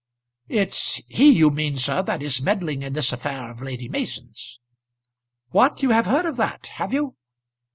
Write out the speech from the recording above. "It's he you mean, sir, that is meddling in this affair of Lady Mason's." "What! you have heard of that; have you?"